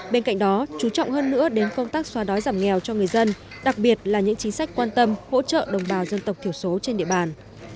bên cạnh đó chú trọng hơn nữa đến công tác xóa đói giảm nghèo cho người dân đặc biệt là những chính sách quan tâm hỗ trợ đồng bào dân tộc thiểu số trên địa bàn